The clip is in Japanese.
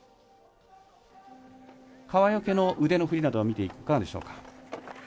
川除の腕の振りなどは見ていかがでしょうか？